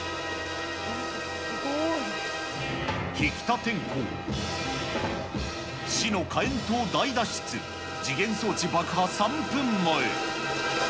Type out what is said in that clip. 引田天功、死の火煙塔大脱出、時限装置爆破３分前。